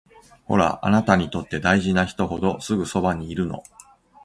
ほら、あなたにとって大事な人ほどすぐそばにいるの